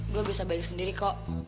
gue bisa bayar sendiri kok